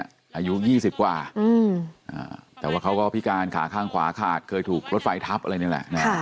อายุ๒๐กว่าแต่ว่าเขาก็พิการขาข้างขวาขาดเคยถูกรถไฟทับอะไรนี่แหละ